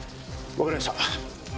わかりました。